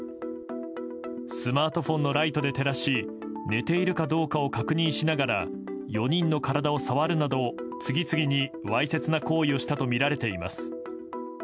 スマートフォンのライトで照らし寝ているかどうかを確認しながら４人の体を触るなど次々にわいせつな行為をしたとみられています。